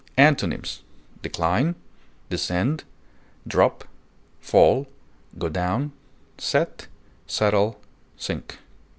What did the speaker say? Antonyms: decline, descend, drop, fall, go down, set, settle, sink.